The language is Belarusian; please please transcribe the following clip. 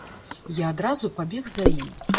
Я адразу пабег за ім.